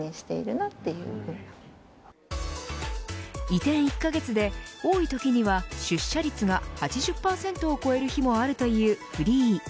移転１カ月で、多いときには出社率が８０％を超える日もあるというｆｒｅｅｅ。